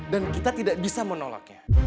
dan kita tidak bisa menolaknya